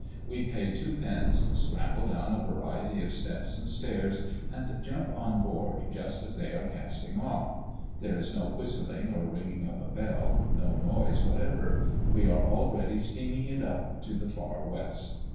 We pay two pence, scramble down a variety of steps and stairs, and jump on board just as they are casting off. There is no whistling or ringing of a bell, no noise whatever. We are already steaming it up to the far west.